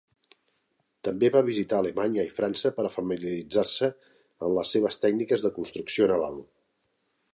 També va visitar Alemanya i França per a familiaritzar-se amb les seves tècniques de construcció naval.